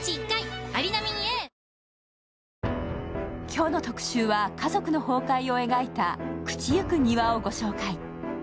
今日の特集は家族の崩壊を描いた「朽ちゆく庭」をご紹介。